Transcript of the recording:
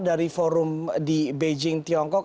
dari forum di beijing tiongkok